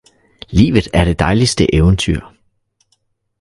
livet er det dejligste eventyr!